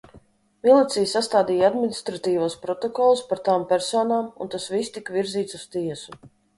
Milicija sastādīja administratīvos protokolus par tām personām, un tas viss tika virzīts uz tiesu.